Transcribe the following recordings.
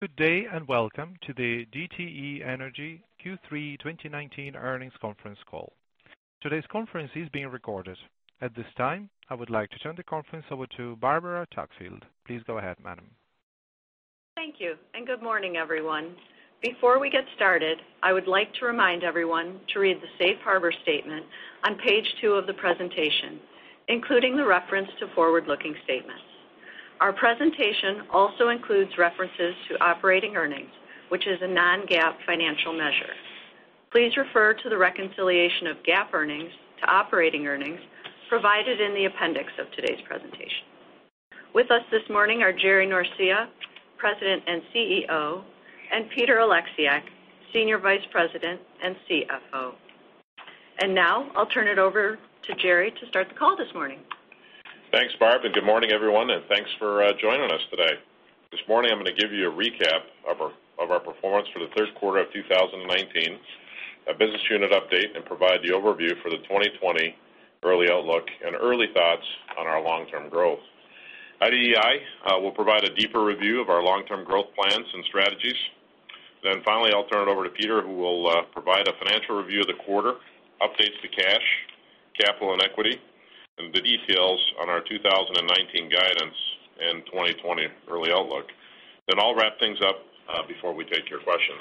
Good day, welcome to the DTE Energy Q3 2019 earnings conference call. Today's conference is being recorded. At this time, I would like to turn the conference over to Barbara Tuckfield. Please go ahead, madam. Thank you, and good morning, everyone. Before we get started, I would like to remind everyone to read the Safe Harbor statement on page two of the presentation, including the reference to forward-looking statements. Our presentation also includes references to operating earnings, which is a non-GAAP financial measure. Please refer to the reconciliation of GAAP earnings to operating earnings provided in the appendix of today's presentation. With us this morning are Gerardo Norcia, President and CEO, and Peter Oleksiak, Senior Vice President and CFO. Now I'll turn it over to Gerry to start the call this morning. Thanks, Barb, good morning, everyone, and thanks for joining us today. This morning, I'm going to give you a recap of our performance for the third quarter of 2019, a business unit update, and provide the overview for the 2020 early outlook and early thoughts on our long-term growth. At EEI, we'll provide a deeper review of our long-term growth plans and strategies. Finally, I'll turn it over to Peter, who will provide a financial review of the quarter, updates to cash, capital, and equity, and the details on our 2019 guidance and 2020 early outlook. I'll wrap things up before we take your questions.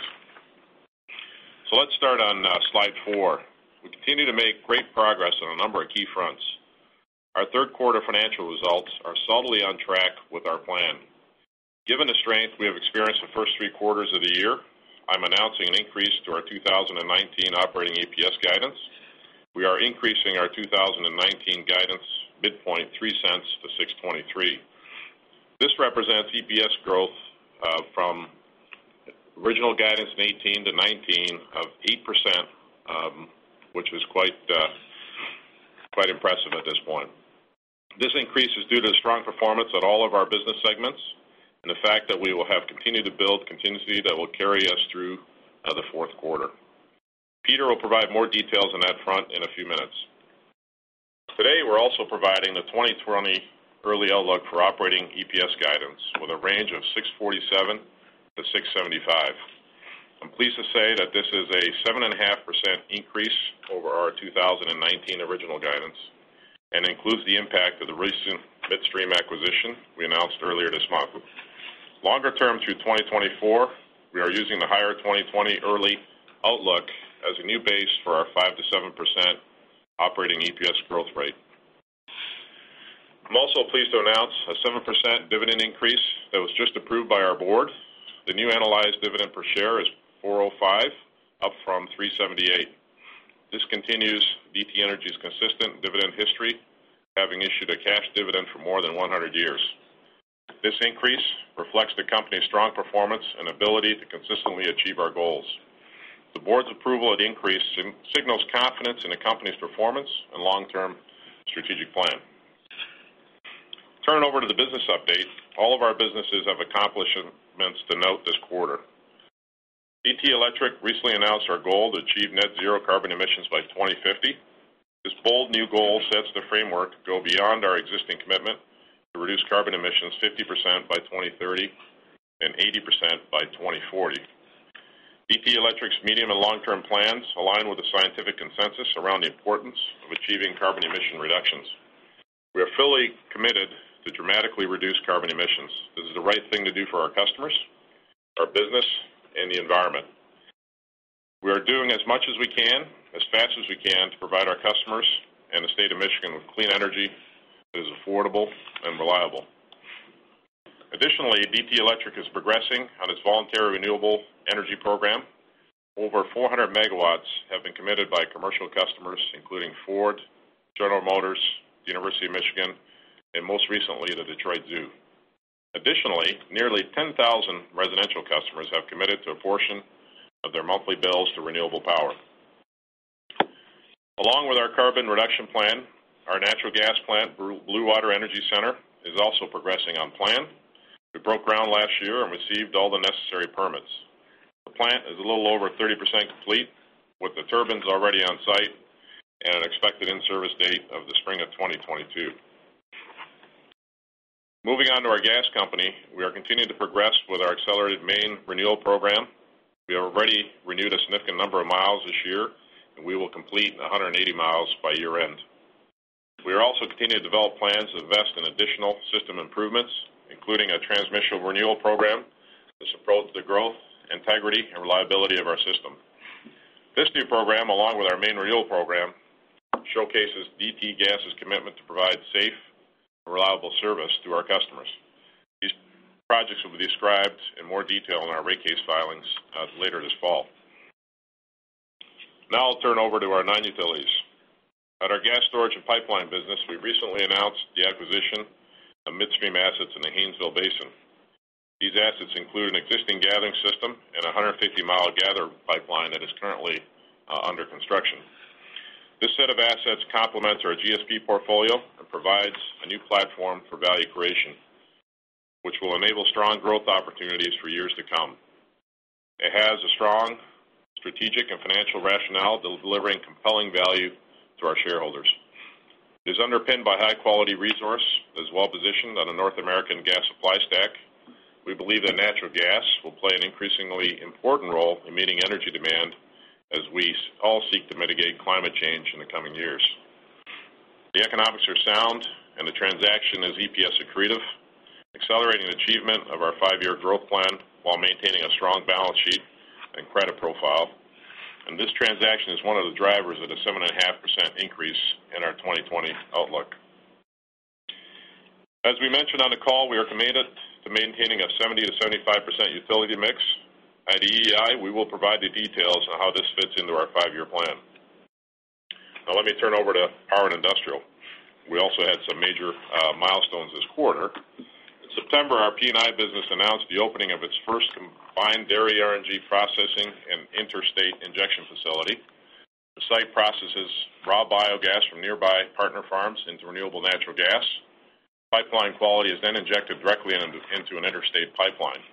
Let's start on slide four. We continue to make great progress on a number of key fronts. Our third quarter financial results are solidly on track with our plan. Given the strength we have experienced the first three quarters of the year, I'm announcing an increase to our 2019 operating EPS guidance. We are increasing our 2019 guidance midpoint $0.03 to $6.23. This represents EPS growth from original guidance in 2018 to 2019 of 8%, which was quite impressive at this point. This increase is due to the strong performance at all of our business segments and the fact that we will have continued to build contingency that will carry us through the fourth quarter. Peter will provide more details on that front in a few minutes. Today, we're also providing the 2020 early outlook for operating EPS guidance with a range of $6.47 to $6.75. I'm pleased to say that this is a 7.5% increase over our 2019 original guidance and includes the impact of the recent midstream acquisition we announced earlier this month. Longer term through 2024, we are using the higher 2020 early outlook as a new base for our 5%-7% operating EPS growth rate. I'm also pleased to announce a 7% dividend increase that was just approved by our board. The new analyzed dividend per share is $4.05, up from $3.78. This continues DTE Energy's consistent dividend history, having issued a cash dividend for more than 100 years. This increase reflects the company's strong performance and ability to consistently achieve our goals. The board's approval of the increase signals confidence in the company's performance and long-term strategic plan. Turn it over to the business update. All of our businesses have accomplishments to note this quarter. DTE Electric recently announced our goal to achieve net zero carbon emissions by 2050. This bold new goal sets the framework to go beyond our existing commitment to reduce carbon emissions 50% by 2030 and 80% by 2040. DTE Electric's medium and long-term plans align with the scientific consensus around the importance of achieving carbon emission reductions. We are fully committed to dramatically reduce carbon emissions. This is the right thing to do for our customers, our business, and the environment. We are doing as much as we can, as fast as we can, to provide our customers and the state of Michigan with clean energy that is affordable and reliable. DTE Electric is progressing on its voluntary renewable energy program. Over 400 megawatts have been committed by commercial customers, including Ford, General Motors, University of Michigan, and most recently, the Detroit Zoo. Nearly 10,000 residential customers have committed to a portion of their monthly bills to renewable power. Along with our carbon reduction plan, our natural gas plant, Blue Water Energy Center, is also progressing on plan. We broke ground last year and received all the necessary permits. The plant is a little over 30% complete, with the turbines already on site and an expected in-service date of the spring of 2022. Moving on to our gas company, we are continuing to progress with our accelerated main renewal program. We have already renewed a significant number of miles this year, and we will complete 180 miles by year-end. We are also continuing to develop plans to invest in additional system improvements, including a transmission renewal program to support the growth, integrity, and reliability of our system. This new program, along with our main renewal program, showcases DTE Gas's commitment to provide safe and reliable service to our customers. These projects will be described in more detail in our rate case filings later this fall. I'll turn over to our non-utilities. At our gas storage and pipeline business, we recently announced the acquisition of midstream assets in the Haynesville Basin. These assets include an existing gathering system and 150-mile gather pipeline that is currently under construction. This set of assets complements our GSP portfolio and provides a new platform for value creation, which will enable strong growth opportunities for years to come. It has a strong strategic and financial rationale, delivering compelling value to our shareholders. It is underpinned by high-quality resource, is well-positioned on a North American gas supply stack. We believe that natural gas will play an increasingly important role in meeting energy demand as we all seek to mitigate climate change in the coming years. The economics are sound, the transaction is EPS accretive, accelerating achievement of our 5-year growth plan while maintaining a strong balance sheet and credit profile. This transaction is one of the drivers of the 7.5% increase in our 2020 outlook. As we mentioned on the call, we are committed to maintaining a 70%-75% utility mix. At EEI, we will provide the details on how this fits into our 5-year plan. Let me turn over to Power and Industrial. We also had some major milestones this quarter. In September, our P&I business announced the opening of its first combined dairy RNG processing and interstate injection facility. The site processes raw biogas from nearby partner farms into renewable natural gas. Pipeline quality is injected directly into an interstate pipeline.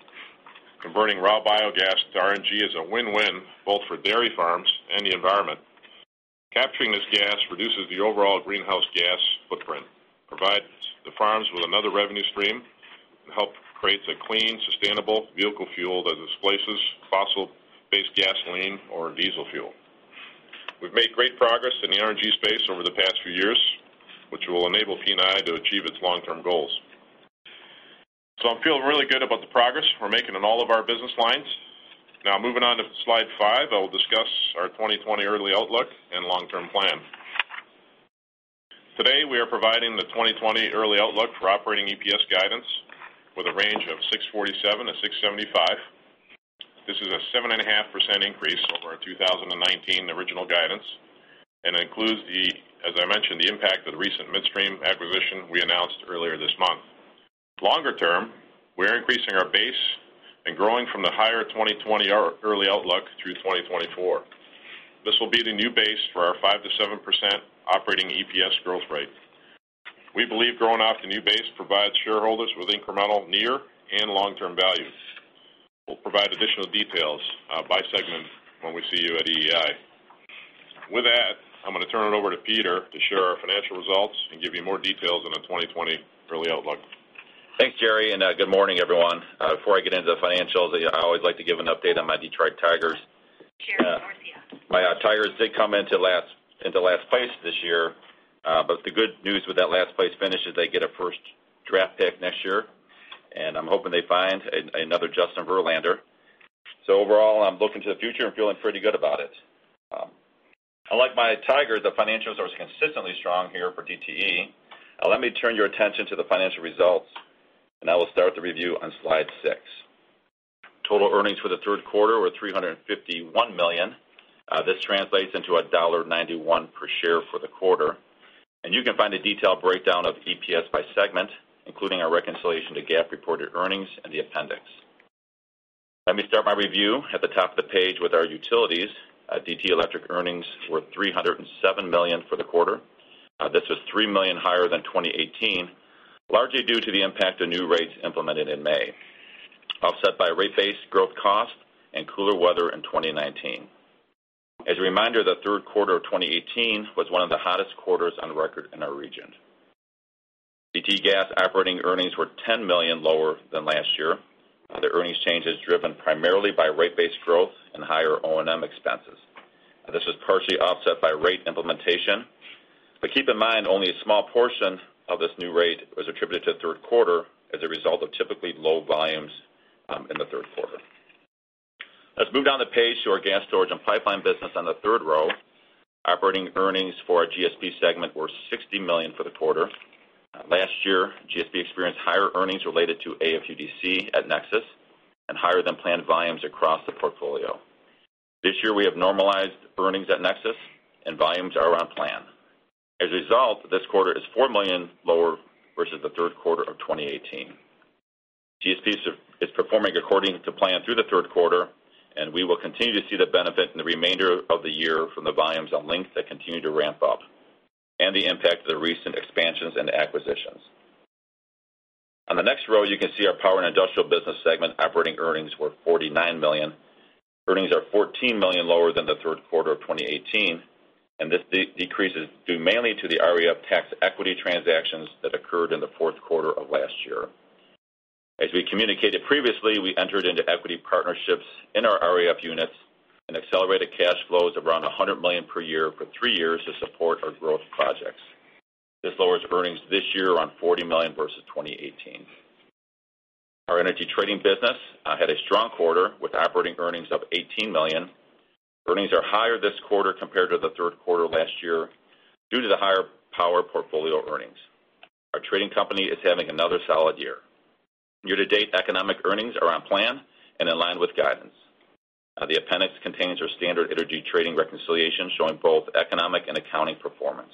Converting raw biogas to RNG is a win-win both for dairy farms and the environment. Capturing this gas reduces the overall greenhouse gas footprint, provides the farms with another revenue stream, and helps create a clean, sustainable vehicle fuel that displaces fossil-based gasoline or diesel fuel. We've made great progress in the RNG space over the past few years, which will enable P&I to achieve its long-term goals. I'm feeling really good about the progress we're making in all of our business lines. Moving on to slide five, I will discuss our 2020 early outlook and long-term plan. Today, we are providing the 2020 early outlook for operating EPS guidance with a range of $6.47-$6.75. This is a 7.5% increase over our 2019 original guidance and includes, as I mentioned, the impact of the recent midstream acquisition we announced earlier this month. Longer term, we are increasing our base and growing from the higher 2020 early outlook through 2024. This will be the new base for our 5%-7% operating EPS growth rate. We believe growing off the new base provides shareholders with incremental near and long-term value. We'll provide additional details by segment when we see you at EEI. With that, I'm going to turn it over to Peter to share our financial results and give you more details on the 2020 early outlook. Thanks, Gerardo. Good morning, everyone. Before I get into the financials, I always like to give an update on my Detroit Tigers. My Tigers did come into last place this year. The good news with that last place finish is they get a first draft pick next year. I'm hoping they find another Justin Verlander. Overall, I'm looking to the future and feeling pretty good about it. Unlike my Tigers, the financials are consistently strong here for DTE. Let me turn your attention to the financial results. I will start the review on slide six. Total earnings for the third quarter were $351 million. This translates into $1.91 per share for the quarter. You can find a detailed breakdown of EPS by segment, including our reconciliation to GAAP-reported earnings in the appendix. Let me start my review at the top of the page with our utilities. DTE Electric earnings were $307 million for the quarter. This was $3 million higher than 2018, largely due to the impact of new rates implemented in May, offset by rate-based growth cost and cooler weather in 2019. As a reminder, the third quarter of 2018 was one of the hottest quarters on record in our region. DTE Gas operating earnings were $10 million lower than last year. The earnings change is driven primarily by rate-based growth and higher O&M expenses. This was partially offset by rate implementation. Keep in mind, only a small portion of this new rate was attributed to the third quarter as a result of typically low volumes in the third quarter. Let's move down the page to our Gas Storage and Pipelines business on the third row. Operating earnings for our GSP segment were $60 million for the quarter. Last year, GSP experienced higher earnings related to AFUDC at NEXUS and higher-than-planned volumes across the portfolio. This year, we have normalized earnings at NEXUS, and volumes are around plan. This quarter is $4 million lower versus the third quarter of 2018. GSP is performing according to plan through the third quarter, and we will continue to see the benefit in the remainder of the year from the volumes on Link that continue to ramp up and the impact of the recent expansions and acquisitions. On the next row, you can see our Power and Industrial business segment operating earnings were $49 million. Earnings are $14 million lower than the third quarter of 2018, and this decrease is due mainly to the REF tax equity transactions that occurred in the fourth quarter of last year. As we communicated previously, we entered into equity partnerships in our REF units and accelerated cash flows of around $100 million per year for three years to support our growth projects. This lowers earnings this year around $40 million versus 2018. Our energy trading business had a strong quarter with operating earnings of $18 million. Earnings are higher this quarter compared to the third quarter last year due to the higher power portfolio earnings. Our trading company is having another solid year. Year-to-date economic earnings are on plan and in line with guidance. The appendix contains our standard energy trading reconciliation, showing both economic and accounting performance.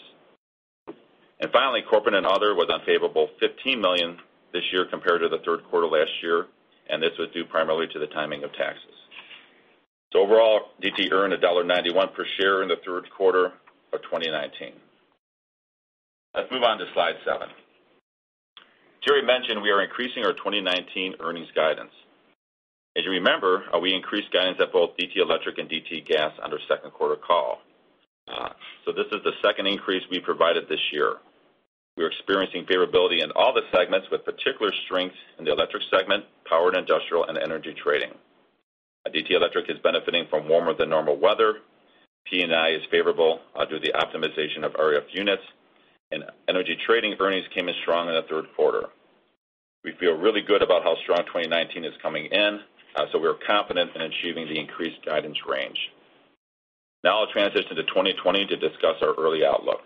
Finally, corporate and other was unfavorable $15 million this year compared to the third quarter last year, and this was due primarily to the timing of taxes. Overall, DTE earned $1.91 per share in the third quarter of 2019. Let's move on to slide seven. Gerry mentioned we are increasing our 2019 earnings guidance. As you remember, we increased guidance at both DTE Electric and DTE Gas on our second quarter call. This is the second increase we've provided this year. We are experiencing favorability in all the segments, with particular strength in the electric segment, Power and Industrial, and energy trading. DTE Electric is benefiting from warmer than normal weather. P&I is favorable due to the optimization of RF units. Energy trading earnings came in strong in the third quarter. We feel really good about how strong 2019 is coming in, so we are confident in achieving the increased guidance range. I'll transition to 2020 to discuss our early outlook.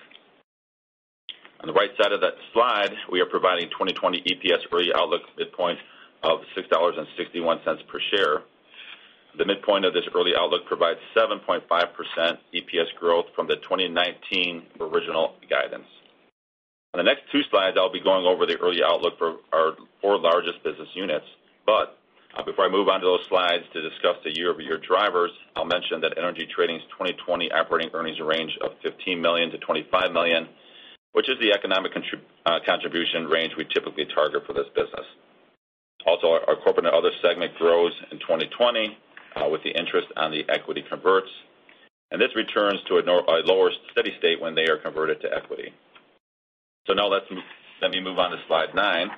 On the right side of that slide, we are providing 2020 EPS early outlook midpoint of $6.61 per share. The midpoint of this early outlook provides 7.5% EPS growth from the 2019 original guidance. On the next two slides, I'll be going over the early outlook for our four largest business units. Before I move on to those slides to discuss the year-over-year drivers, I'll mention that energy trading's 2020 operating earnings range of $15 million-$25 million, which is the economic contribution range we typically target for this business. Our corporate and other segment grows in 2020 with the interest on the equity converts. This returns to a lower steady state when they are converted to equity. Now let me move on to slide nine.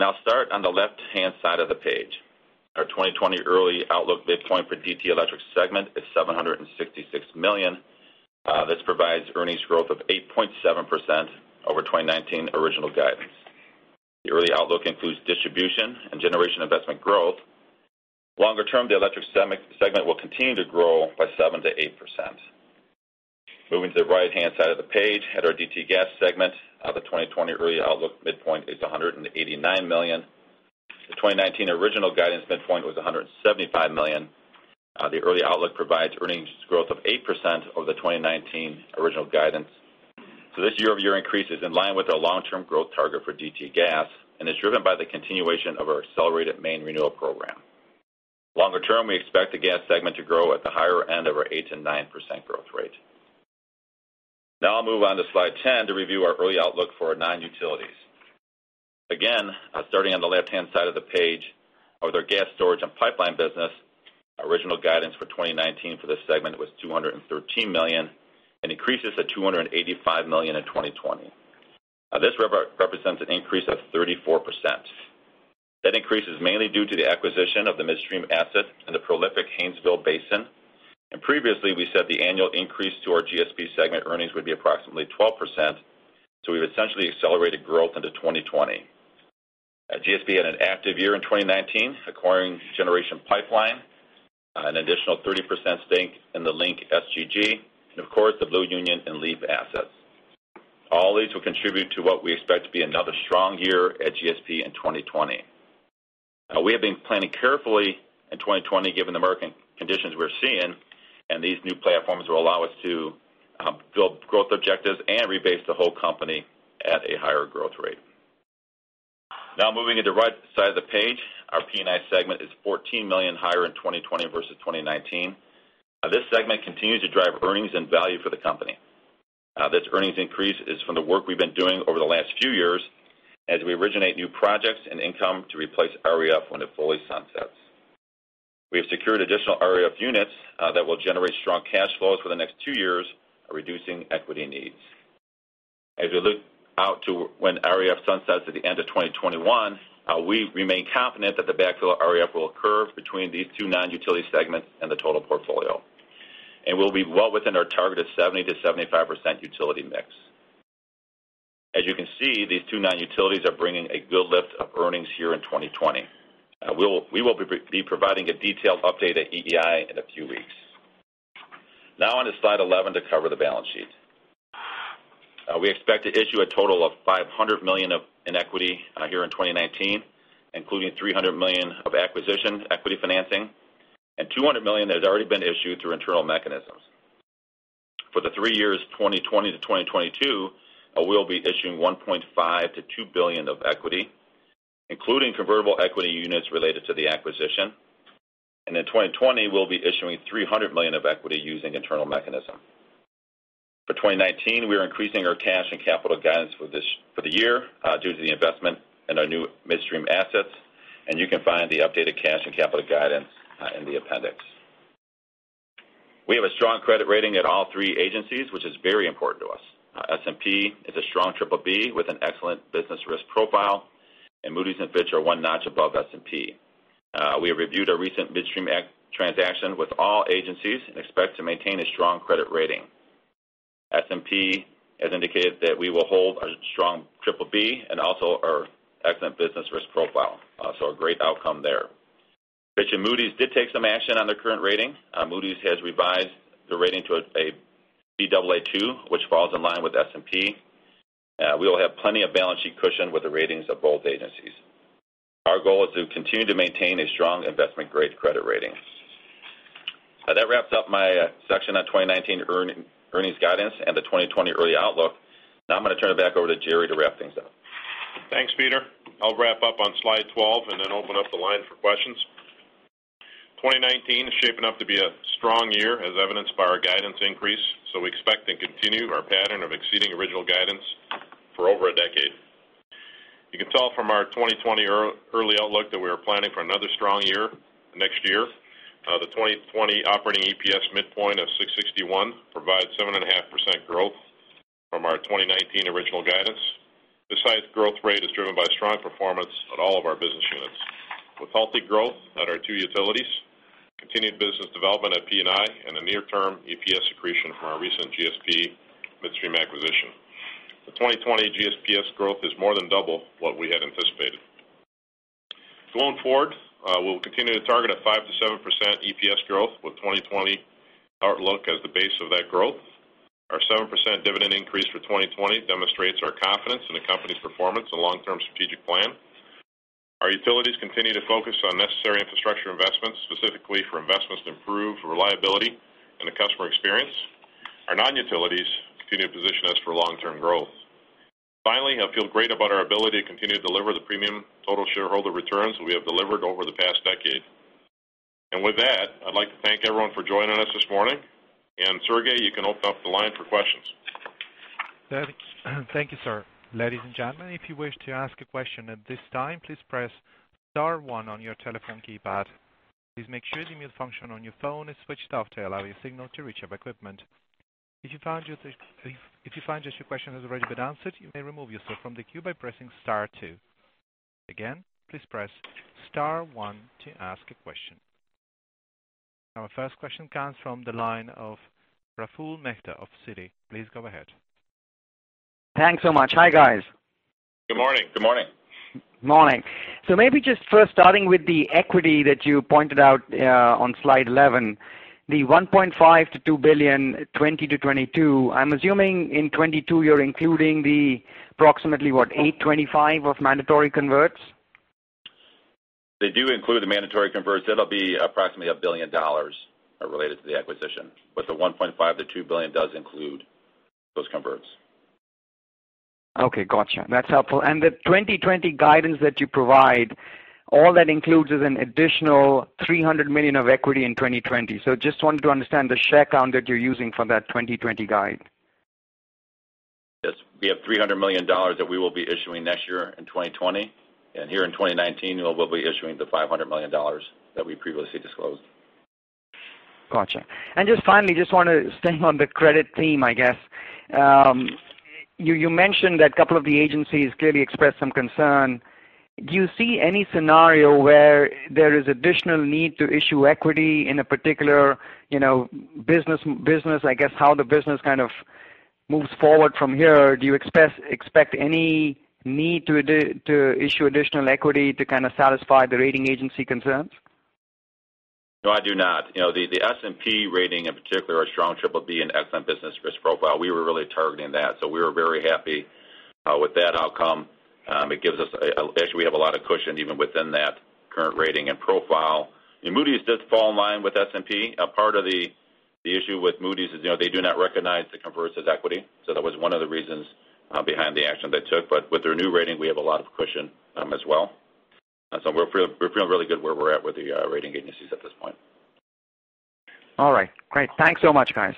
I'll start on the left-hand side of the page. Our 2020 early outlook midpoint for DTE Electric segment is $766 million. This provides earnings growth of 8.7% over 2019 original guidance. The early outlook includes distribution and generation investment growth. Longer term, the electric segment will continue to grow by 7%-8%. Moving to the right-hand side of the page at our DTE Gas segment, the 2020 early outlook midpoint is $189 million. The 2019 original guidance midpoint was $175 million. The early outlook provides earnings growth of 8% over the 2019 original guidance. This year-over-year increase is in line with our long-term growth target for DTE Gas and is driven by the continuation of our accelerated main renewal program. Longer term, we expect the gas segment to grow at the higher end of our 8%-9% growth rate. I'll move on to slide 10 to review our early outlook for our non-utilities. Starting on the left-hand side of the page, with our Gas Storage and Pipelines business, original guidance for 2019 for this segment was $213 million and increases to $285 million in 2020. This represents an increase of 34%. That increase is mainly due to the acquisition of the midstream asset in the prolific Haynesville Basin. Previously, we said the annual increase to our GSP segment earnings would be approximately 12%, so we've essentially accelerated growth into 2020. GSP had an active year in 2019, acquiring Generation Pipeline, an additional 30% stake in the Link SGG, and of course, the Blue Union and LEAP assets. All these will contribute to what we expect to be another strong year at GSP in 2020. We have been planning carefully in 2020 given the market conditions we're seeing, and these new platforms will allow us to fuel growth objectives and rebase the whole company at a higher growth rate. Now moving to the right side of the page, our P&I segment is $14 million higher in 2020 versus 2019. This segment continues to drive earnings and value for the company. This earnings increase is from the work we've been doing over the last few years as we originate new projects and income to replace REF when it fully sunsets. We have secured additional REF units that will generate strong cash flows for the next two years, reducing equity needs. As we look out to when REF sunsets at the end of 2021, we remain confident that the backfill of REF will occur between these two non-utility segments and the total portfolio. We'll be well within our target of 70%-75% utility mix. As you can see, these two non-utilities are bringing a good lift of earnings here in 2020. We will be providing a detailed update at EEI in a few weeks. On to slide 11 to cover the balance sheet. We expect to issue a total of $500 million in equity here in 2019, including $300 million of acquisition equity financing and $200 million that has already been issued through internal mechanisms. For the three years 2020-2022, we'll be issuing $1.5 billion-$2 billion of equity, including convertible equity units related to the acquisition. In 2020, we'll be issuing $300 million of equity using internal mechanism. For 2019, we are increasing our cash and capital guidance for the year due to the investment in our new midstream assets. You can find the updated cash and capital guidance in the appendix. We have a strong credit rating at all three agencies, which is very important to us. S&P is a strong triple B with an excellent business risk profile. Moody's and Fitch are one notch above S&P. We have reviewed our recent midstream transaction with all agencies. We expect to maintain a strong credit rating. S&P has indicated that we will hold our strong triple B and also our excellent business risk profile. A great outcome there. Fitch and Moody's did take some action on their current rating. Moody's has revised the rating to a Baa2, which falls in line with S&P. We will have plenty of balance sheet cushion with the ratings of both agencies. Our goal is to continue to maintain a strong investment-grade credit rating. That wraps up my section on 2019 earnings guidance and the 2020 early outlook. I'm going to turn it back over to Gerry to wrap things up. Thanks, Peter. I'll wrap up on slide 12 and then open up the line for questions. 2019 is shaping up to be a strong year, as evidenced by our guidance increase. We expect and continue our pattern of exceeding original guidance for over a decade. You can tell from our 2020 early outlook that we are planning for another strong year next year. The 2020 operating EPS midpoint of $6.61 provides 7.5% growth from our 2019 original guidance. This size growth rate is driven by strong performance at all of our business units with healthy growth at our two utilities, continued business development at P&I, and a near-term EPS accretion from our recent GSP midstream acquisition. The 2020 GSP's growth is more than double what we had anticipated. Going forward, we'll continue to target a 5%-7% EPS growth with 2020 outlook as the base of that growth. Our 7% dividend increase for 2020 demonstrates our confidence in the company's performance and long-term strategic plan. Our utilities continue to focus on necessary infrastructure investments, specifically for investments to improve reliability and the customer experience. Our non-utilities continue to position us for long-term growth. Finally, I feel great about our ability to continue to deliver the premium total shareholder returns we have delivered over the past decade. With that, I'd like to thank everyone for joining us this morning. Operator, you can open up the line for questions. Thank you, sir. Ladies and gentlemen, if you wish to ask a question at this time, please press star one on your telephone keypad. Please make sure the mute function on your phone is switched off to allow your signal to reach our equipment. If you find that your question has already been answered, you may remove yourself from the queue by pressing star two. Again, please press star one to ask a question. Our first question comes from the line of Ryan Levine of Citi. Please go ahead. Thanks so much. Hi, guys. Good morning. Good morning. Morning. Maybe just first starting with the equity that you pointed out on slide 11, the $1.5 billion-$2 billion, 2020-2022, I'm assuming in 2022 you're including the approximately, what, 825 of mandatory converts? They do include the mandatory converts. It'll be approximately $1 billion related to the acquisition. The $1.5 billion-$2 billion does include those converts. Okay, gotcha. That's helpful. The 2020 guidance that you provide, all that includes is an additional $300 million of equity in 2020. Just wanted to understand the share count that you're using for that 2020 guide. Yes. We have $300 million that we will be issuing next year in 2020. Here in 2019, we will be issuing the $500 million that we previously disclosed. Gotcha. Just finally, just wanted to stay on the credit theme, I guess. You mentioned that a couple of the agencies clearly expressed some concern. Do you see any scenario where there is additional need to issue equity in a particular business? I guess how the business kind of moves forward from here. Do you expect any need to issue additional equity to kind of satisfy the rating agency concerns? No, I do not. The S&P rating in particular, a strong BBB and excellent business risk profile, we were really targeting that. We were very happy with that outcome. Actually, we have a lot of cushion even within that current rating and profile. Moody's did fall in line with S&P. A part of the issue with Moody's is they do not recognize the converts as equity. That was one of the reasons behind the action they took. With their new rating, we have a lot of cushion as well. We feel really good where we're at with the rating agencies at this point. All right, great. Thanks so much, guys.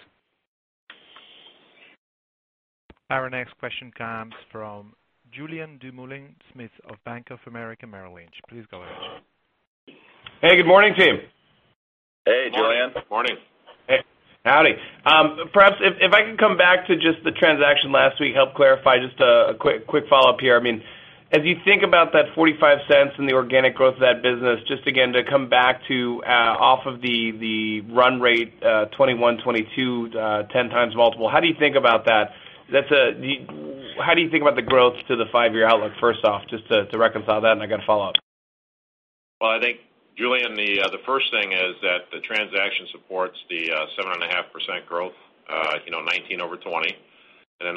Our next question comes from Julien Dumoulin-Smith of Bank of America Merrill Lynch. Please go ahead. Hey, good morning, team. Hey, Julien. Morning. Hey. Howdy. Perhaps if I could come back to just the transaction last week, help clarify just a quick follow-up here. As you think about that $0.45 and the organic growth of that business, just again, to come back to off of the run rate, 2021, 2022, 10 times multiple, how do you think about that? How do you think about the growth to the five-year outlook, first off, just to reconcile that, I got a follow-up. Well, I think Julien, the first thing is that the transaction supports the 7.5% growth, 2019 over 2020.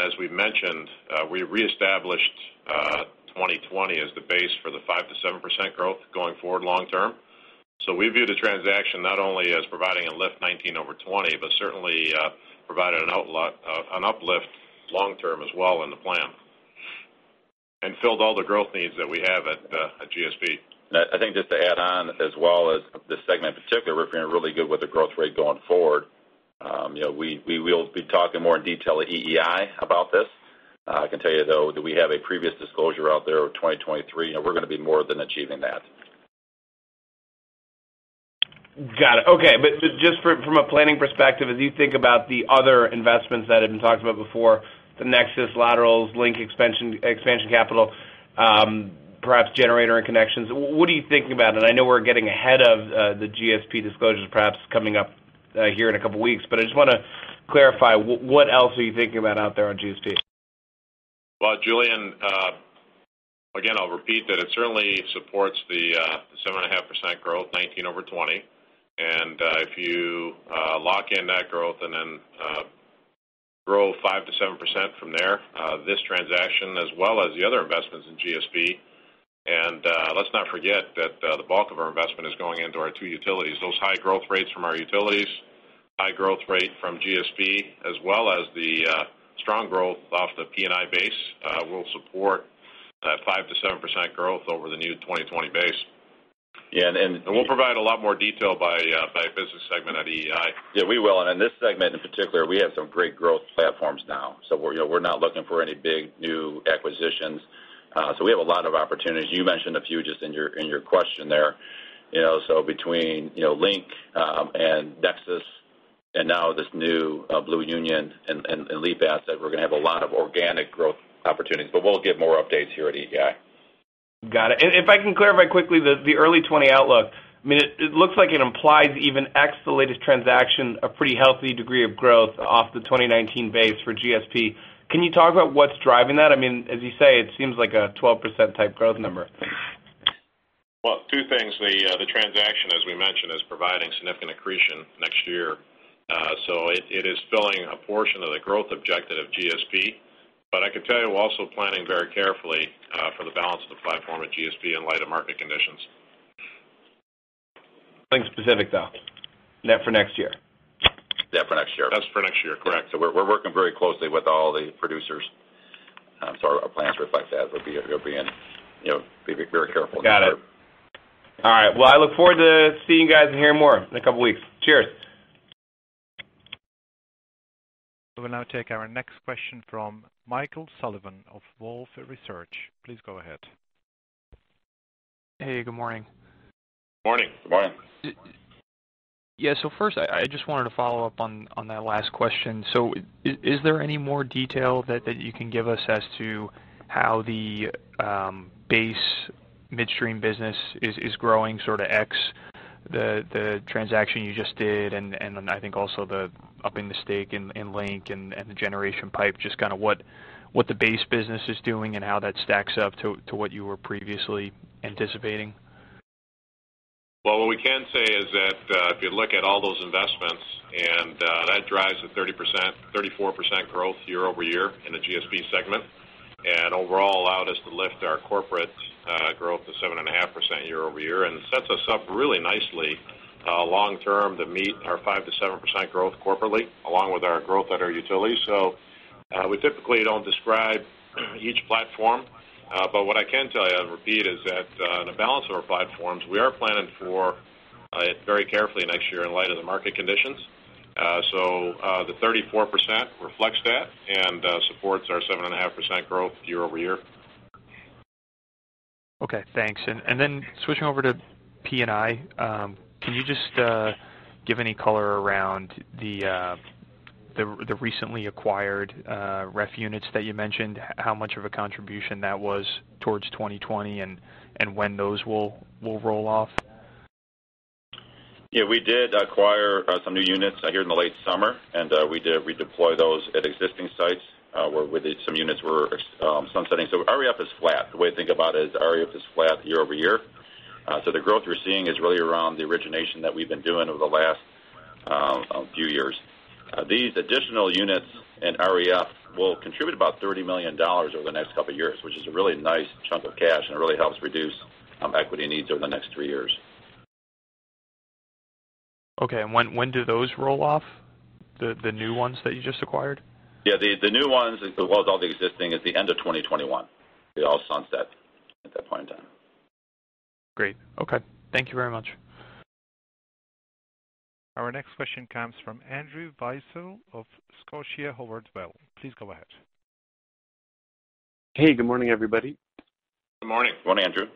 As we've mentioned, we reestablished 2020 as the base for the 5%-7% growth going forward long term. We view the transaction not only as providing a lift 2019 over 2020, but certainly provided an uplift long term as well in the plan, and filled all the growth needs that we have at GSP. I think just to add on as well as this segment in particular, we're feeling really good with the growth rate going forward. We will be talking more in detail at EEI about this. I can tell you though that we have a previous disclosure out there of 2023, and we're going to be more than achieving that. Got it. Okay. Just from a planning perspective, as you think about the other investments that had been talked about before, the NEXUS laterals, Link expansion capital, perhaps generator and connections, what are you thinking about? I know we're getting ahead of the GSP disclosures perhaps coming up here in a couple of weeks, but I just want to clarify, what else are you thinking about out there on GSP? Well, Julien, again, I'll repeat that it certainly supports the 7.5% growth, 2019 over 2020. If you lock in that growth and then grow 5%-7% from there, this transaction as well as the other investments in GSP, and let's not forget that the bulk of our investment is going into our two utilities. Those high growth rates from our utilities, high growth rate from GSP, as well as the strong growth off the P&I base will support that 5%-7% growth over the new 2020 base. Yeah. We'll provide a lot more detail by business segment at EEI. Yeah, we will. In this segment in particular, we have some great growth platforms now. We're not looking for any big new acquisitions. We have a lot of opportunities. You mentioned a few just in your question there. Between Link and NEXUS and now this new Blue Union and LEAP asset, we're going to have a lot of organic growth opportunities. We'll give more updates here at EEI. Got it. If I can clarify quickly the early 2020 outlook, it looks like it implies even ex the latest transaction, a pretty healthy degree of growth off the 2019 base for GSP. Can you talk about what's driving that? As you say, it seems like a 12%-type growth number. Well, two things. The transaction, as we mentioned, is providing significant accretion next year. It is filling a portion of the growth objective of GSP. I can tell you we're also planning very carefully for the balance of the platform at GSP in light of market conditions. Nothing specific, though. Net for next year. Yeah, for next year. That's for next year, correct. We're working very closely with all the producers. Our plans reflect that. We'll be very careful going forward. Got it. All right. Well, I look forward to seeing you guys and hearing more in a couple of weeks. Cheers. We'll now take our next question from Michael Sullivan of Wolfe Research. Please go ahead. Hey, good morning. Morning. Good morning. Yeah. First, I just wanted to follow up on that last question. Is there any more detail that you can give us as to how the base midstream business is growing, sort of ex the transaction you just did, and then I think also the upping the stake in Link and the Generation Pipeline, just kind of what the base business is doing and how that stacks up to what you were previously anticipating? What we can say is that if you look at all those investments, and that drives the 30%, 34% growth year-over-year in the GSP segment, and overall allowed us to lift our corporate growth to 7.5% year-over-year and sets us up really nicely long term to meet our 5%-7% growth corporately, along with our growth at our utility. We typically don't describe each platform. What I can tell you, I'll repeat, is that the balance of our platforms, we are planning for it very carefully next year in light of the market conditions. The 34% reflects that and supports our 7.5% growth year-over-year. Okay, thanks. Switching over to P&I, can you just give any color around the recently acquired REF units that you mentioned, how much of a contribution that was towards 2020 and when those will roll off? Yeah, we did acquire some new units here in the late summer, and we deploy those at existing sites where some units were sunsetting. Our ref is flat. The way to think about it is our ref is flat year-over-year. The growth we're seeing is really around the origination that we've been doing over the last few years. These additional units in our ref will contribute about $30 million over the next couple of years, which is a really nice chunk of cash, and it really helps reduce equity needs over the next three years. Okay, when do those roll off? The new ones that you just acquired? Yeah, the new ones, as well as all the existing, at the end of 2021. They all sunset at that point in time. Great. Okay. Thank you very much. Our next question comes from Andrew Weisel of Scotiabank. Please go ahead. Hey, good morning, everybody. Good morning. Good morning, Andrew.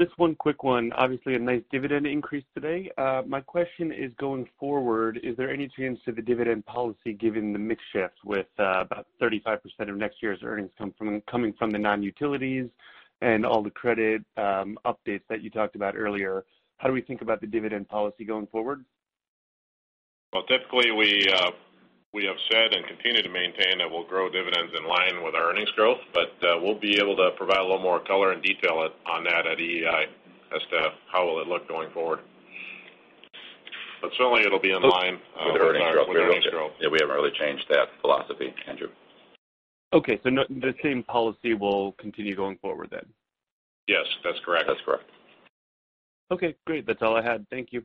Just one quick one. Obviously a nice dividend increase today. My question is going forward, is there any change to the dividend policy given the mix shift with about 35% of next year's earnings coming from the non-utilities and all the credit updates that you talked about earlier? How do we think about the dividend policy going forward? Well, typically, we have said and continue to maintain that we'll grow dividends in line with our earnings growth, but we'll be able to provide a little more color and detail on that at EEI as to how will it look going forward. Certainly, it'll be in line. With earnings growth. Yeah, we haven't really changed that philosophy, Andrew. Okay. The same policy will continue going forward then? Yes, that's correct. That's correct. Okay, great. That's all I had. Thank you.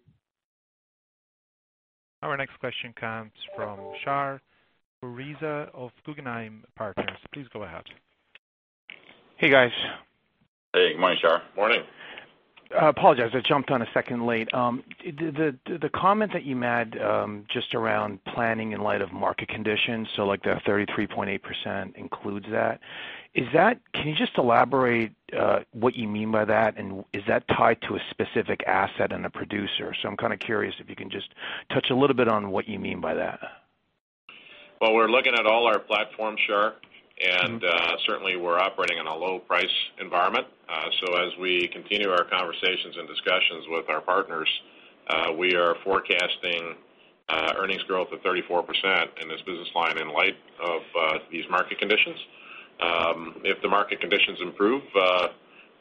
Our next question comes from Shar Pourreza of Guggenheim Partners. Please go ahead. Hey, guys. Hey. Good morning, Shar. Morning. Apologize, I jumped on a second late. The comment that you made just around planning in light of market conditions, like the 33.8% includes that. Can you just elaborate what you mean by that? Is that tied to a specific asset and a producer? I'm kind of curious if you can just touch a little bit on what you mean by that. Well, we're looking at all our platforms, Shar, and certainly we're operating in a low-price environment. As we continue our conversations and discussions with our partners, we are forecasting earnings growth of 34% in this business line in light of these market conditions. If the market conditions improve,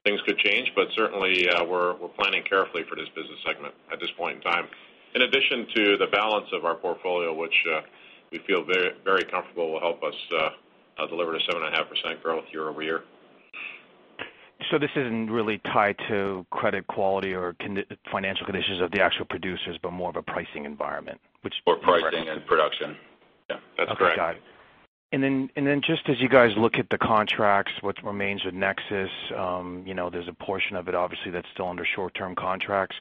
things could change, but certainly, we're planning carefully for this business segment at this point in time. In addition to the balance of our portfolio, which we feel very comfortable will help us deliver a 7.5% growth year-over-year. This isn't really tied to credit quality or financial conditions of the actual producers, but more of a pricing environment. Pricing and production. Yeah, that's correct. Okay, got it. Just as you guys look at the contracts, what remains with NEXUS, there's a portion of it, obviously, that's still under short-term contracts.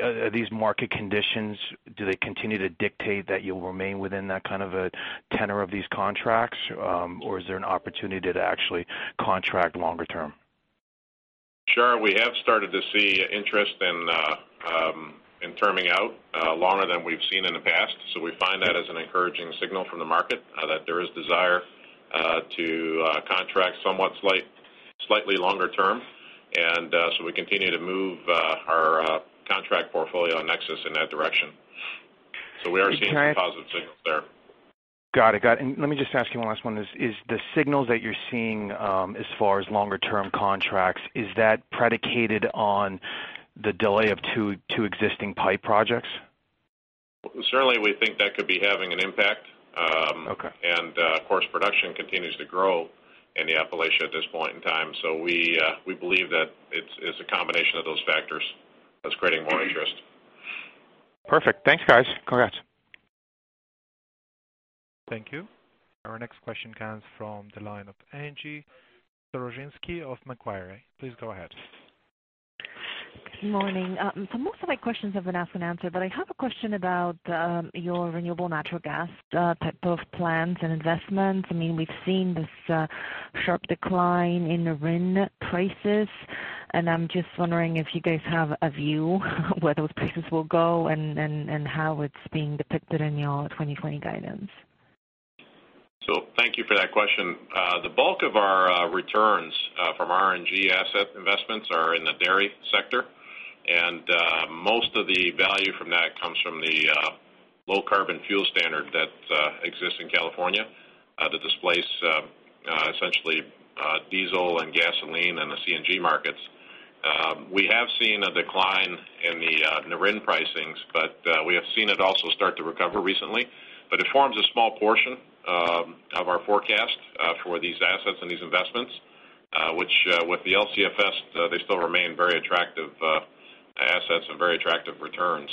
Are these market conditions, do they continue to dictate that you'll remain within that kind of a tenor of these contracts? Or is there an opportunity to actually contract longer term? Sure. We have started to see interest in terming out longer than we've seen in the past. We find that as an encouraging signal from the market that there is desire to contract somewhat slightly longer term. We continue to move our contract portfolio on NEXUS in that direction. We are seeing some positive signals there. Got it. Let me just ask you one last one. Is the signals that you're seeing, as far as longer term contracts, is that predicated on the delay of two existing pipe projects? Certainly, we think that could be having an impact. Okay. Of course, production continues to grow in the Appalachia at this point in time. We believe that it's a combination of those factors that's creating more interest. Perfect. Thanks, guys. Congrats. Thank you. Our next question comes from the line of Angie Storozynski of Macquarie. Please go ahead. Good morning. Most of my questions have been asked and answered, but I have a question about your renewable natural gas type of plans and investments. We've seen this sharp decline in the RIN prices, and I'm just wondering if you guys have a view where those prices will go and how it's being depicted in your 2020 guidance. Thank you for that question. The bulk of our returns from RNG asset investments are in the dairy sector. Most of the value from that comes from the Low Carbon Fuel Standard that exists in California that displace essentially diesel and gasoline in the CNG markets. We have seen a decline in the RIN pricings, but we have seen it also start to recover recently. It forms a small portion of our forecast for these assets and these investments, which with the LCFS, they still remain very attractive assets and very attractive returns.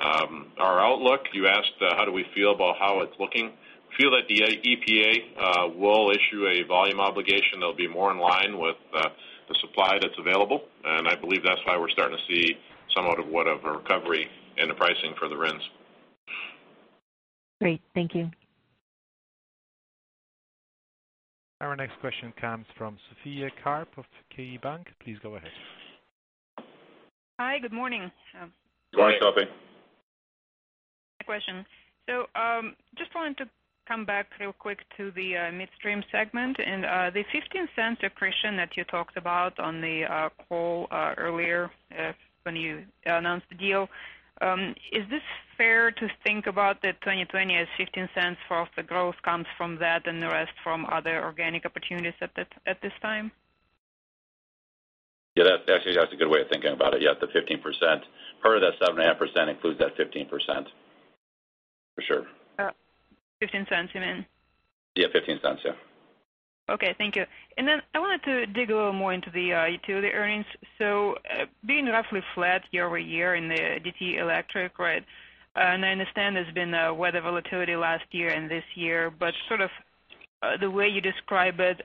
Our outlook, you asked how do we feel about how it's looking? We feel that the EPA will issue a volume obligation that'll be more in line with the supply that's available. I believe that's why we're starting to see somewhat of a recovery in the pricing for the RINs. Great. Thank you. Our next question comes from Sophie Karp of KeyBanc. Please go ahead. Hi. Good morning. Good morning, Sophie. Question. Just wanted to come back real quick to the Midstream Segment and the $0.15 accretion that you talked about on the call earlier when you announced the deal. Is this fair to think about that 2020 as $0.15 for the growth comes from that and the rest from other organic opportunities at this time? Yeah, actually, that's a good way of thinking about it. Yeah, the 15%. Part of that 7.5% includes that 15%, for sure. $0.15, you mean? Yeah, $0.15. Yeah. Okay. Thank you. I wanted to dig a little more into the utility earnings. Being roughly flat year-over-year in the DTE Electric, right? I understand there's been weather volatility last year and this year, but sort of the way you describe it,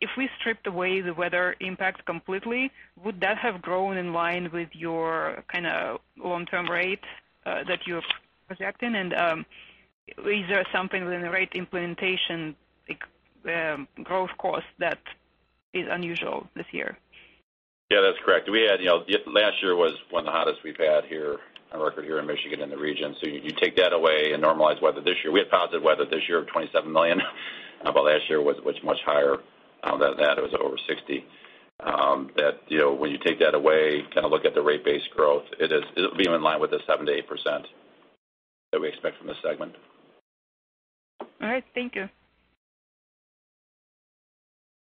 if we strip away the weather impact completely, would that have grown in line with your kind of long-term rate that you're projecting? Is there something within the rate implementation growth cost that is unusual this year? Yeah, that's correct. Last year was one of the hottest we've had here on record here in Michigan in the region. You take that away and normalize weather this year. We had positive weather this year of $27 million, last year was much higher than that. It was over $60 million. When you take that away, kind of look at the rate base growth, it'll be in line with the 7%-8% that we expect from this segment. All right. Thank you.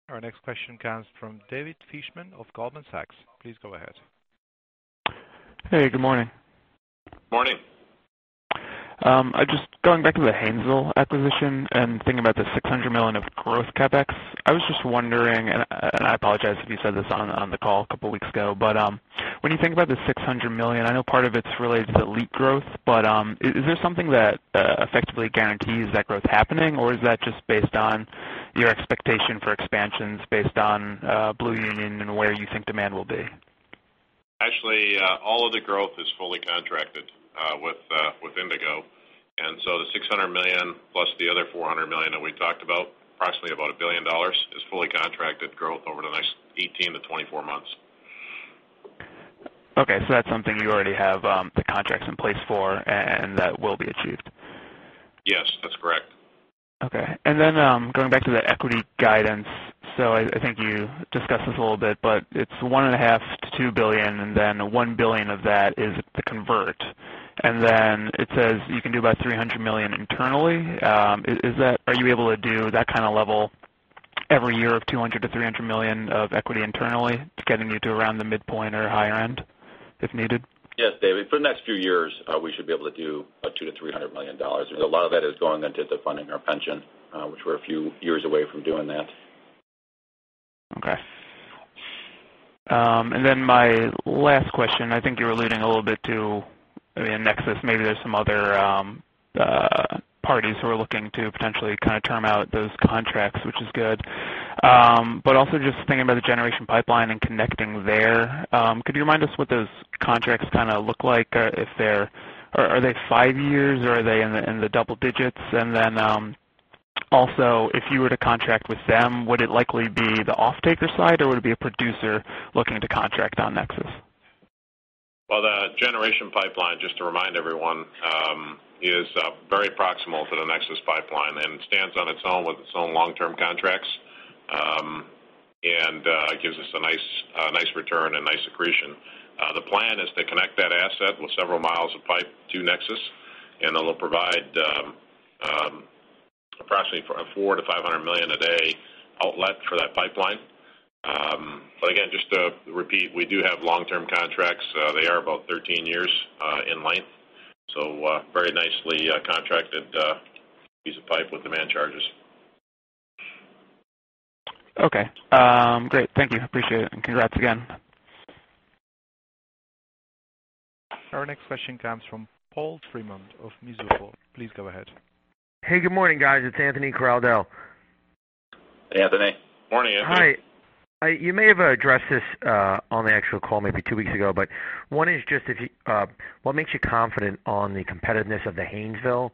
Our next question comes from David Fishman of Goldman Sachs. Please go ahead. Hey, good morning. Morning. Just going back to the Haynesville acquisition and thinking about the $600 million of growth CapEx. I was just wondering, I apologize if you said this on the call a couple weeks ago, but when you think about the $600 million, I know part of it's related to the LEAP growth, but is there something that effectively guarantees that growth happening? Or is that just based on your expectation for expansions based on Blue Union and where you think demand will be? Actually, all of the growth is fully contracted with Indigo, and so the $600 million plus the other $400 million that we talked about, approximately about $1 billion, is fully contracted growth over the next 18 to 24 months. Okay, that's something you already have the contracts in place for and that will be achieved. Yes, that's correct. Going back to the equity guidance. I think you discussed this a little bit, but it's $1.5 billion-$2 billion, $1 billion of that is the convert. It says you can do about $300 million internally. Are you able to do that kind of level every year of $200 million-$300 million of equity internally to getting you to around the midpoint or higher end? Yes, David, for the next few years, we should be able to do $200 million-$300 million. A lot of that is going into funding our pension, which we're a few years away from doing that. Okay. My last question, I think you were alluding a little bit to, in Nexus, maybe there's some other parties who are looking to potentially term out those contracts, which is good. Just thinking about the Generation Pipeline and connecting there, could you remind us what those contracts look like? Are they five years or are they in the double digits? If you were to contract with them, would it likely be the offtaker side or would it be a producer looking to contract on Nexus? Well, the Generation Pipeline, just to remind everyone, is very proximal to the Nexus pipeline and stands on its own with its own long-term contracts. It gives us a nice return and nice accretion. The plan is to connect that asset with several miles of pipe to Nexus, that'll provide approximately $400 million to $500 million a day outlet for that pipeline. Again, just to repeat, we do have long-term contracts. They are about 13 years in length, very nicely contracted piece of pipe with demand charges. Okay. Great. Thank you. Appreciate it, and congrats again. Our next question comes from Paul Fremont of Mizuho. Please go ahead. Hey, good morning, guys. It's Anthony Crowdell. Hey, Anthony. Morning, Anthony. Hi. You may have addressed this on the actual call maybe two weeks ago, one is just what makes you confident on the competitiveness of the Haynesville?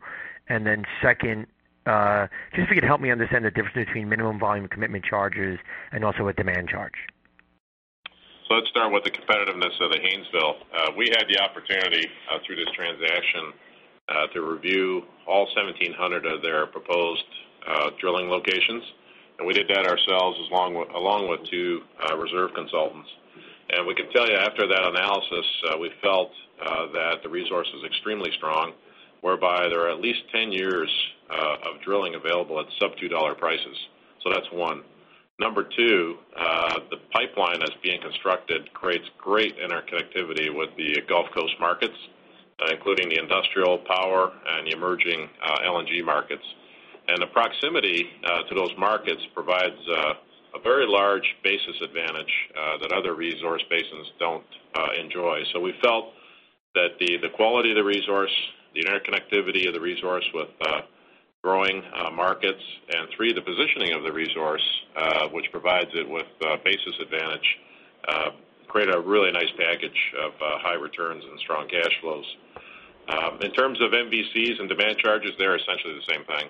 Second, just if you could help me understand the difference between minimum volume commitment charges and also a demand charge. Let's start with the competitiveness of the Haynesville. We had the opportunity through this transaction to review all 1,700 of their proposed drilling locations. We did that ourselves along with two reserve consultants. We can tell you after that analysis, we felt that the resource was extremely strong, whereby there are at least 10 years of drilling available at sub-$2 prices. That's one. Number two, the pipeline that's being constructed creates great interconnectivity with the Gulf Coast markets, including the industrial power and the emerging LNG markets. The proximity to those markets provides a very large basis advantage that other resource basins don't enjoy. We felt that the quality of the resource, the interconnectivity of the resource with growing markets, and three, the positioning of the resource, which provides it with basis advantage created a really nice package of high returns and strong cash flows. In terms of MVCs and demand charges, they're essentially the same thing.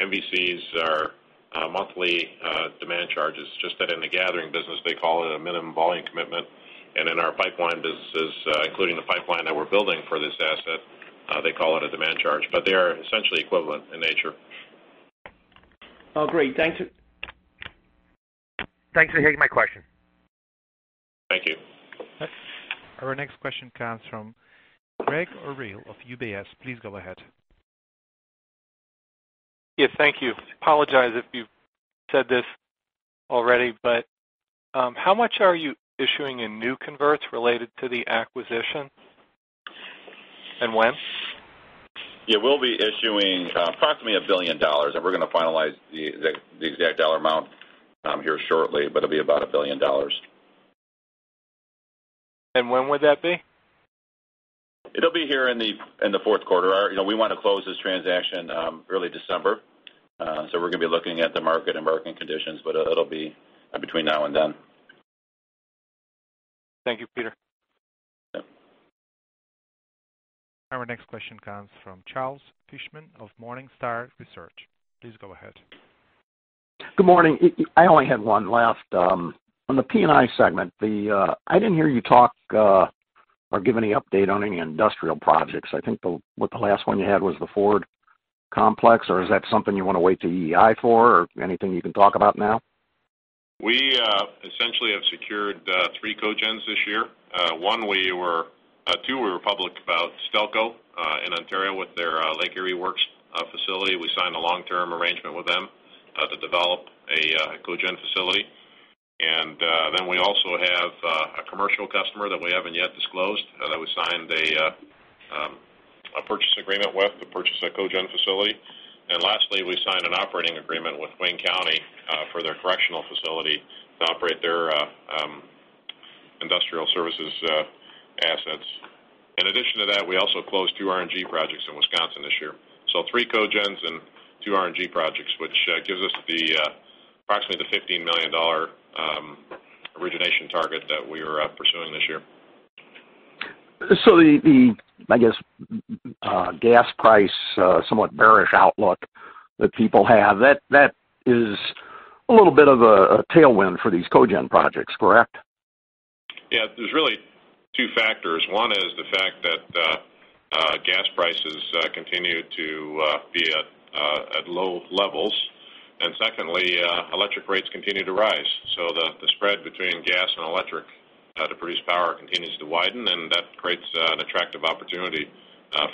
MVCs are monthly demand charges, just that in the gathering business, they call it a minimum volume commitment. In our pipeline businesses, including the pipeline that we're building for this asset, they call it a demand charge. They are essentially equivalent in nature. Oh, great. Thanks for taking my question. Thank you. Our next question comes from Gregg Orrill of UBS. Please go ahead. Yes, thank you. Apologize if you've said this already, how much are you issuing in new convertibles related to the acquisition and when? Yeah, we'll be issuing approximately $1 billion, and we're going to finalize the exact dollar amount here shortly, but it'll be about $1 billion. When would that be? It'll be here in the fourth quarter. We want to close this transaction early December, so we're going to be looking at the market and market conditions, but it'll be between now and then. Thank you, Peter. Yep. Our next question comes from Charles Fishman of Morningstar Research. Please go ahead. Good morning. I only had one last. On the P&I segment, I didn't hear you talk or give any update on any industrial projects. I think the last one you had was the Ford complex, or is that something you want to wait to EI for or anything you can talk about now? We essentially have secured three cogens this year. Two, we were public about. Stelco in Ontario with their Lake Erie Works facility, we signed a long-term arrangement with them to develop a cogen facility. We also have a commercial customer that we haven't yet disclosed, that we signed a purchase agreement with to purchase a cogen facility. Lastly, we signed an operating agreement with Wayne County for their correctional facility to operate their industrial services assets. In addition to that, we also closed two RNG projects in Wisconsin this year. Three cogens and two RNG projects, which gives us approximately the $15 million origination target that we are pursuing this year. The, I guess, gas price somewhat bearish outlook that people have, that is a little bit of a tailwind for these cogen projects, correct? Yeah. There's really two factors. One is the fact that gas prices continue to be at low levels. Secondly, electric rates continue to rise. The spread between gas and electric to produce power continues to widen, and that creates an attractive opportunity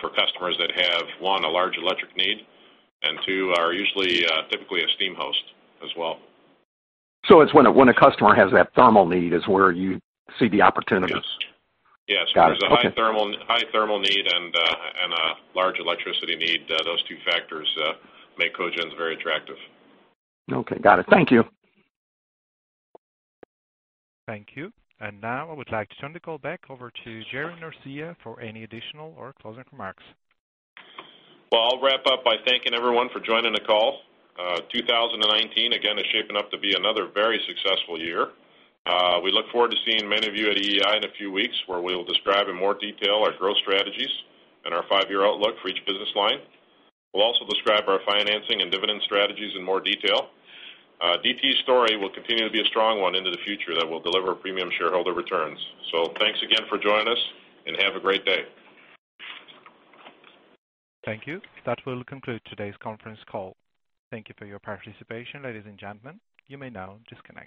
for customers that have, one, a large electric need, and two, are usually typically a steam host as well. It's when a customer has that thermal need is where you see the opportunities? Yes. Got it. Okay. There's a high thermal need and a large electricity need. Those two factors make cogens very attractive. Okay, got it. Thank you. Thank you. Now I would like to turn the call back over to Gerardo Norcia for any additional or closing remarks. Well, I'll wrap up by thanking everyone for joining the call. 2019, again, is shaping up to be another very successful year. We look forward to seeing many of you at EEI in a few weeks, where we will describe in more detail our growth strategies and our five-year outlook for each business line. We'll also describe our financing and dividend strategies in more detail. DTE's story will continue to be a strong one into the future that will deliver premium shareholder returns. Thanks again for joining us, and have a great day. Thank you. That will conclude today's conference call. Thank you for your participation, ladies and gentlemen. You may now disconnect.